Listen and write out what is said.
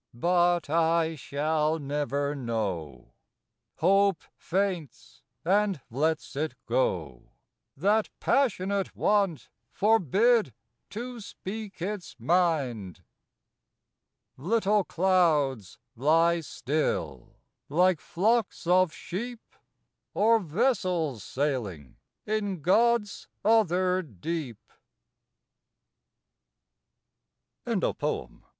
But I shall never know, Hope faints, and lets it go, That passionate want forbid to speak its mind. Little clouds lie still, like flocks of sheep, Or vessels sailing in God's other deep. WORK.